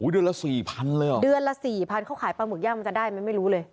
เดือนละสี่พันเลยเหรอเดือนละ๔๐๐เขาขายปลาหมึกย่างมันจะได้ไหมไม่รู้เลย